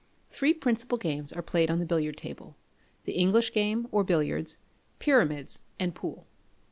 Three principal games are played on the billiard table the English game, or Billiards, Pyramids, and Pool.